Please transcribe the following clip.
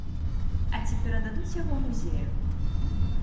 А ці перададуць яго музею?